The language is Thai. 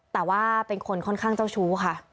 แต่ว่าเป็นคนค่อนข้างเจ้าชู้ค่ะ